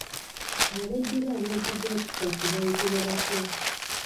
Abeddira amazzi g'ekisasi bayitibwa batya?